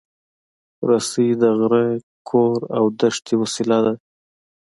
رسۍ د غره، کور، او دښتې وسیله ده.